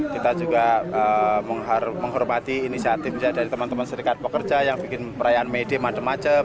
kita juga menghormati inisiatif dari teman teman serikat pekerja yang bikin perayaan may day macam macam